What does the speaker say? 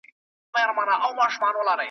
چي جوړ کړی چا خپلوانو ته زندان وي .